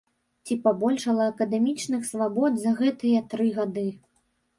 Ці пабольшала акадэмічных свабод за гэтыя тры гады.